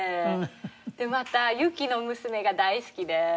また雪の娘が大好きで。